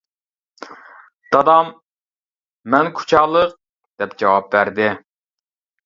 دادام «مەن كۇچالىق» دەپ جاۋاب بەردى.